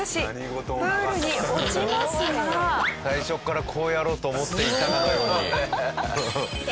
最初からこうやろうと思っていたかのように。